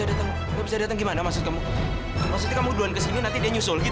t dewinya nggak bisa datang gimana maksud kamu maksudnya kamu duluan kesini nanti dia nyusul gitu